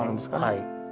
はい。